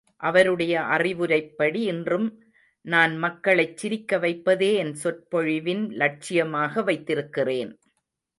அவருடைய அறிவுரைப்படி இன்றும் நான் மக்களைச் சிரிக்க வைப்பதே என் சொற்பொழிவின் லட்சியமாக வைத்திருக்கிறேன்.